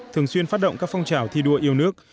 thường xuyên phát động các phong trào thi đua yêu nước